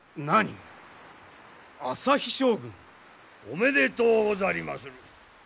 おめでとうござりまする。